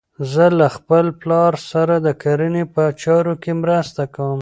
زه له خپل پلار سره د کرنې په چارو کې مرسته کوم.